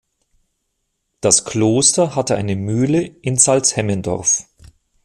Das Kloster hatte eine Mühle in Salzhemmendorf.